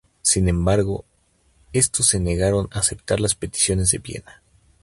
Sin embargo estos se negaron a aceptar las peticiones de Viena.